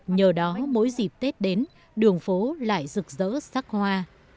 nhờ đó mỗi dịp tết đến đường phố lại rực rỡ sắc hoa